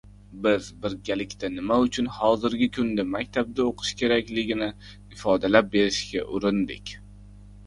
Biz birgalikda nima uchun hozirgi kunda maktabda o‘qish kerakligini ifodalab berishga urindik.